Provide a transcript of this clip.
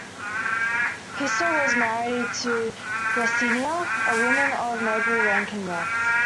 Piso was married to Plancina, a woman of noble rank and wealth.